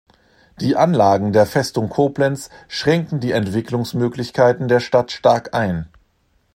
Die Anlagen der Festung Koblenz schränkten die Entwicklungsmöglichkeiten der Stadt stark ein.